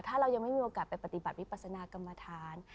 ถ้าเรายังไม่มีโอกาสไปปฏิบัติวิปัสนากรรมฐาน